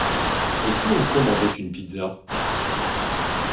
Et si on commandait une pizza?